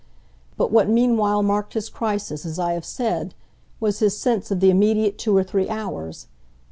But what meanwhile marked his crisis, as I have said, was his sense of the immediate two or three hours.